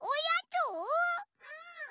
うん。